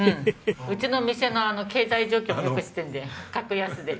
うちの店の経済状況もよく知ってるので格安で。